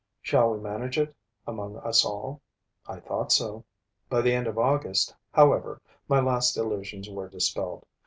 Shall we manage it, among us all? I thought so. By the end of August, however, my last illusions were dispelled.